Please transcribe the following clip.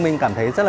món cây xào dừa